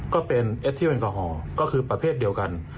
ก็เป็นเอสที่แอลกอฮอล์ก็คือประเภทเดียวกัน